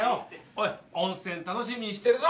おい温泉楽しみにしてるぞ。